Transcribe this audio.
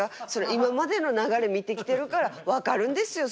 今までの流れ見てきてるから分かるんですよ